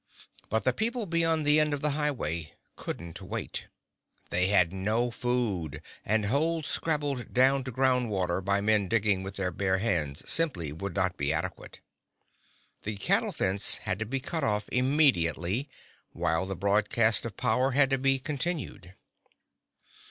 But the people beyond the end of the highway couldn't wait. They had no food, and holes scrabbled down to ground water by men digging with their bare hands simply would not be adequate. The cattle fence had to be cut off immediately—while the broadcast of power had to be continued.